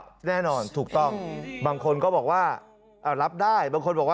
ก็แน่นอนถูกต้องบางคนบอกว่ารับได้